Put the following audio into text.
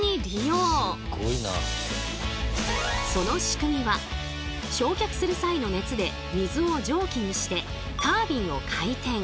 その仕組みは焼却する際の熱で水を蒸気にしてタービンを回転。